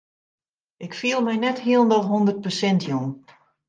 Ik fiel my net hielendal hûndert persint jûn.